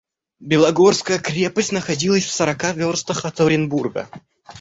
Белогорская крепость находилась в сорока верстах от Оренбурга.